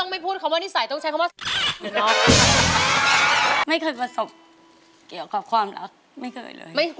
ไม่เคยประสบเกี่ยวกับความรักไม่เคยเลย